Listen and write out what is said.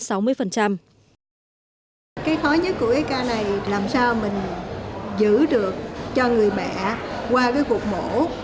cái khó nhất của cái ca này làm sao mình giữ được cho người mẹ qua cái cuộc mổ